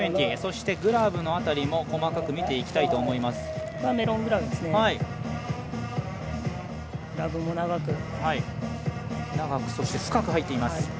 そして、グラブの辺りも細かく見ていきます。